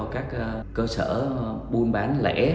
các cơ sở buôn bán lẻ